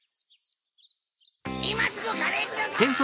いますぐカレーください！